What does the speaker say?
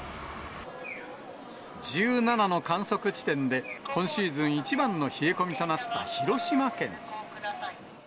１７の観測地点で今シーズン一番の冷え込みとなった広島県。